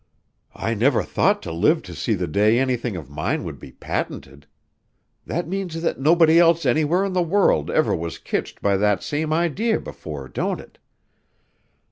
"I never thought to live to see the day anything of mine would be patented. That means that nobody else anywhere in the world ever was kitched by that same idee before, don't it?